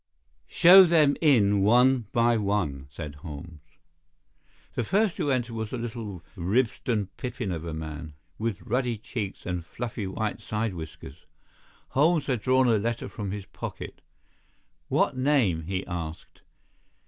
"Show them in one by one," said Holmes. "The first who entered was a little Ribston pippin of a man, with ruddy cheeks and fluffy white side whiskers. Holmes had drawn a letter from his pocket. "What name?" he asked.